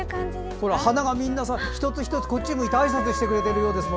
花がみんな１つ１つこっち向いてあいさつしてくれてるようです。